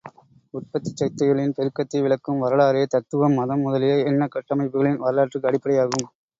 உற்பத்திச் சக்திகளின் பெருக்கத்தை விளக்கும் வரலாறே, தத்துவம், மதம் முதலிய எண்ணக் கட்டமைப்புகளின் வரலாற்றுக்கும் அடிப்படையாகும்.